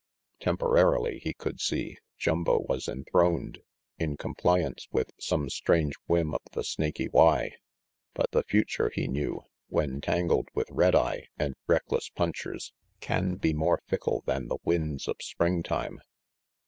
Temporarily, he could see, Jumbo was enthroned, in compliance with some strange whim of the Snaky Y; but the future, he knew, when tangled with red eye and reckless punchers, can be more fickle than the winds of springtime.